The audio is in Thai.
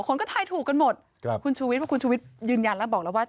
คนก็ถ่ายถูกกันหมดคุณชุวิตคุณชุวิตยืนยันแล้วบอกแล้วว่า